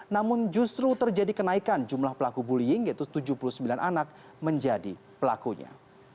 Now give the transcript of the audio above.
namun justru terjadi kenaikan jumlah pelaku bullying yaitu tujuh puluh sembilan anak menjadi pelakunya